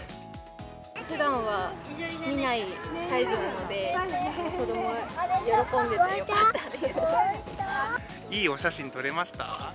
ふだんは見ないサイズなので、いいお写真撮れました？